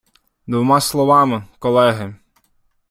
Двома словами, колеги!